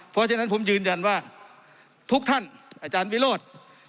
เพราะฉะนั้นผมยืนยันว่าทุกท่านอาจารย์วิโรธ